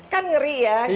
kan ngeri ya